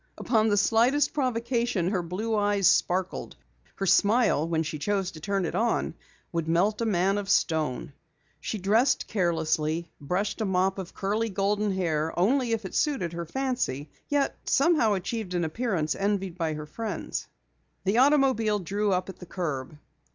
Upon the slightest provocation, her blue eyes sparkled; her smile when she chose to turn it on, would melt a man of stone. She dressed carelessly, brushed a mop of curly, golden hair only if it suited her fancy, yet somehow achieved an appearance envied by her friends. The automobile drew up at the curb.